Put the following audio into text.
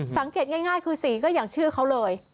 สังเกตง่ายคือสีก็อย่างชื่อเขาเลย